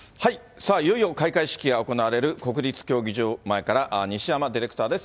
さあ、いよいよ開会式が行われる国立競技場前から西山ディレクターです。